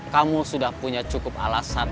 kamu sudah punya cukup alasan